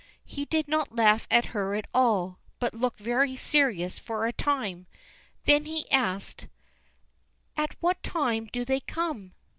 He did not laugh at her at all, but looked very serious for a time. Then he asked: "At what time do they come?"